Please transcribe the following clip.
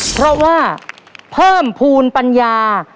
เพราะว่าเพิ่มภูมิปัญญา